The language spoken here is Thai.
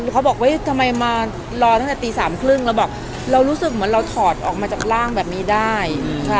เขาบอกว่าทำไมมารอตั้งแต่ตี๓๓๐เราบอกเรารู้สึกเหมือนเราถอดออกมาจากร่างแบบนี้ได้